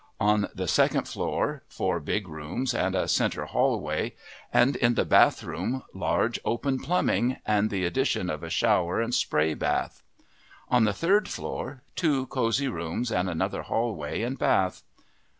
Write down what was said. On the second floor four big rooms and a centre hallway, and in the bathroom large, open plumbing and the addition of a shower and spray bath. On the third floor two cozy rooms and another hallway and bath.